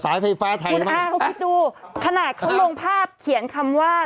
ไฟฟ้าไทยมากอ่าเขาคิดดูขนาดเขาลงภาพเขียนคำว่า